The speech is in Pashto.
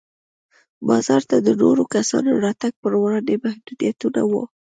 بازار ته د نورو کسانو راتګ پر وړاندې محدودیتونه وو.